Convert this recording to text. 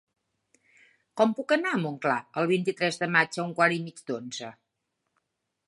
Com puc anar a Montclar el vint-i-tres de maig a un quart i mig d'onze?